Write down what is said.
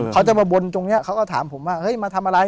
เขาจะมาบนตรงนี้เขาก็ถามผมว่าเฮ้ยมาทำอะไร